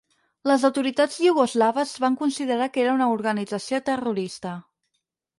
Les autoritats iugoslaves van considerar que era una organització terrorista.